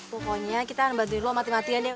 pokoknya kita akan bantuin lo mati matian deh